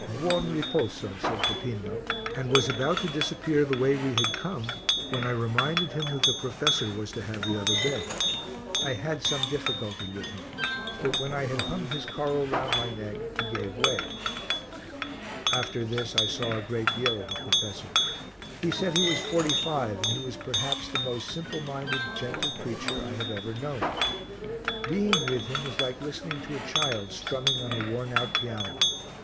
"Buon riposo," said Peppino, and was about to disappear the way we had come when I reminded him that the professor was to have the other bed. I had some difficulty with him, but when I had hung his coral round my neck he gave way. After this I saw a great deal of the professor. He said he was forty five and he was perhaps the most simple minded, gentle creature I have ever known. Being with him was like listening to a child strumming on a worn out piano.